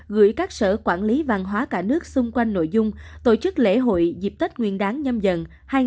gửi các sở quản lý văn hóa cả nước xung quanh nội dung tổ chức lễ hội dịp tết nguyên đáng nhâm dần hai nghìn hai mươi bốn